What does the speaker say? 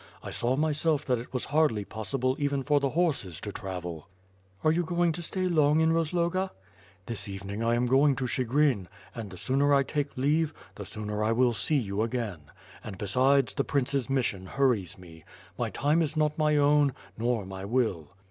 I saw myself that it was hardly possible even for the horses to travel." "Are you going to stay long in Kozloga?" "This evening I am going to Chigrin, and the sooner I take leave, the sooner I will see you again; and, besides, the prince's mission hurries me. My time is not my own, nor my will."